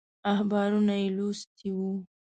اخبارونه یې لوستي وو.